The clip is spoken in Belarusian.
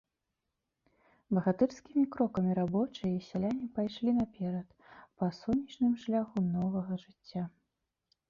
Багатырскімі крокамі рабочыя і сяляне пайшлі наперад па сонечным шляху новага жыцця.